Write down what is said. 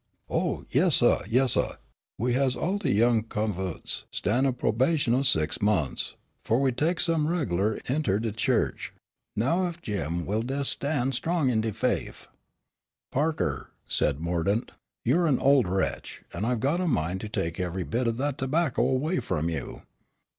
"Oh yes suh, yes suh, we has all de young convu'ts stan' a p'obation o' six months, fo' we teks 'em reg'lar inter de chu'ch. Now ef Jim will des' stan' strong in de faif " "Parker," said Mordaunt, "you're an old wretch, and I've got a mind to take every bit of that tobacco away from you.